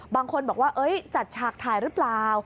บางคนบอกว่าจัดฉากถ่ายหรือเปล่า